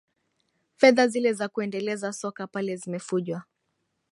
fedha zile za kuendeleza soka pale zimefujwa